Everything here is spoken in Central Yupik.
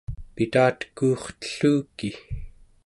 pitateku'urtelluki